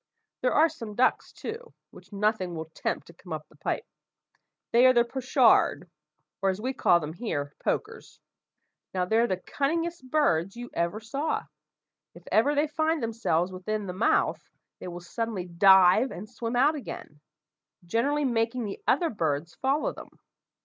There are some ducks, too, which nothing will tempt to come up the pipe. They are the pochard, or, as we call them here, pokers. Now they're the cunningest birds you ever saw! If ever they find themselves within the mouth, they will suddenly dive and swim out again, generally making the other birds follow them.